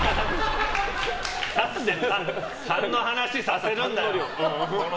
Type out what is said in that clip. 何で痰の話させるんだよ！